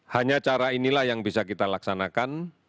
hanya cara inilah yang bisa kita laksanakan